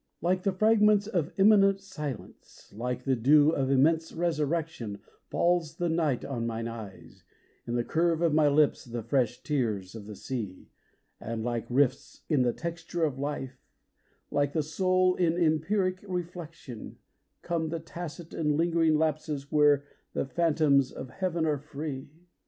Like the fragments of immanent silence, like the dew of immense resurrection Falls the night on mine eyes, in the curve of my lips the fresh tears of the sea, And like rifts in the texture of life, like the soul in empiric reflection, 37 THE GATES OF LIFE Come the tacit and lingering lapses where the phantoms of Heaven are free.